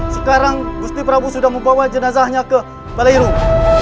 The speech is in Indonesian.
sekarang busti prabu sudah membawa jenazahnya ke balai rum